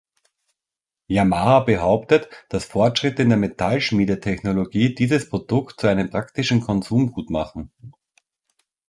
Yamaha behauptet, dass Fortschritte in der Metallschmiedetechnologie dieses Produkt zu einem praktischen Konsumgut machen.